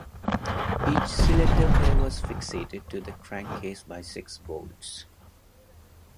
Each cylinder pair was fixated to the crankcase by six bolts.